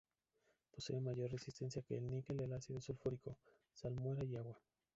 Posee mayor resistencia que el níquel al ácido sulfúrico, salmuera y agua.